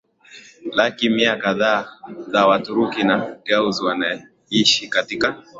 Laki mia kadhaa za Waturuki na Gagauz wanaishi katika